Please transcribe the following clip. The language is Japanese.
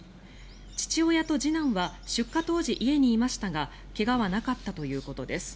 父親と次男は出火当時、家にいましたが怪我はなかったということです。